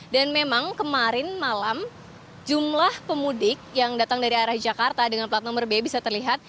dan memang kemarin malam jumlah pemudik yang datang dari arah jakarta dengan plat nomor b bisa terlihat